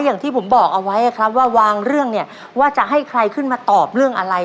อย่างที่ผมบอกเอาไว้ครับว่าวางเรื่องเนี่ยว่าจะให้ใครขึ้นมาตอบเรื่องอะไร